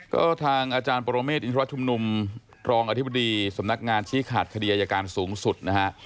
ก็ทางอาจารย์ปรเมฆอินทรชุมนุมรองอธิบดีสำนักงานชี้ขาดคดีอายการสูงสุดนะฮะ